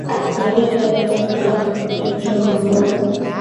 Majani ya viazi huliwa kwa kuchemshwa kama mboga